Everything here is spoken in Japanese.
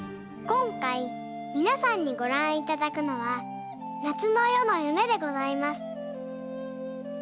こんかいみなさんにごらんいただくのは「夏の夜の夢」でございます。